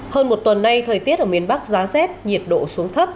hơn một tuần nay thời tiết ở miền bắc giá rét nhiệt độ xuống thấp